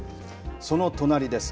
その隣です。